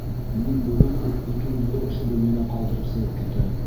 Мин бөгөн үк икегеҙҙе ошо бүлмәлә ҡалдырып сығып китәм...